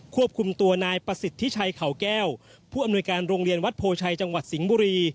ควบคุมตัวนายประสิทธิชัยเขาแก้วผู้อำนวยการโรงเรียนวัดโพชัยจังหวัดสิงห์บุรี